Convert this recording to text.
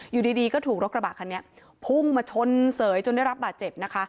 อยู่ดีก็ถูกรถกระบะคันนี้พุ่งมาชนเสยจนได้รับบาดเจ็บนะคะ